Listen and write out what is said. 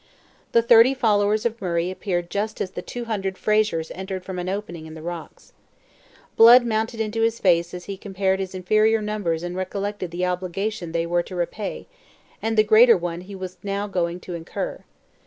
The thirty followers of Murray appeared just as the two hundred Frasers entered from an opening in the rocks. Blood mounted into his face as he compared his inferior numbers and recollected the obligation they were to repay, and the greater one he was now going to incur.